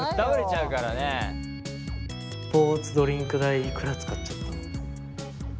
スポーツドリンク代いくら使っちゃった？